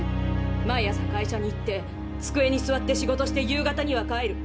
毎朝会社に行って机に座って仕事して夕方には帰る。